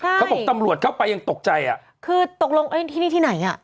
เขาบอกตำรวจเข้าไปยังตกใจอ่ะคือตกลงเอ้ยที่นี่ที่ไหนอ่ะ